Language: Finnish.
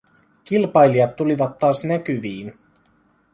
Kilpailijat tulivat taas näkyviin.